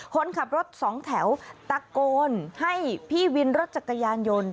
คนขับรถสองแถวตะโกนให้พี่วินรถจักรยานยนต์